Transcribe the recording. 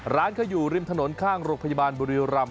ร้านก็อยู่ริมถนนข้างโรคพยาบาลบุรีโรลัม์